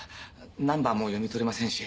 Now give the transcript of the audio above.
ナンバーも読み取れませんし。